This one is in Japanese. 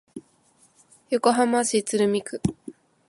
横浜市鶴見区